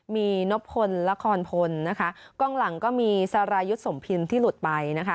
มีนบพลละครพลกองหลังก็มีสารายุทธสมภิลที่หลุดไป